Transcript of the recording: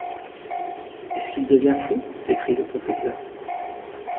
Est-ce qu’il devient fou ? s’écrie le professeur.